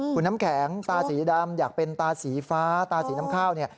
คุณน้ำแข็งตาสีดำอยากเป็นตาสีฟ้าตาสีน้ำข้าวเนี่ย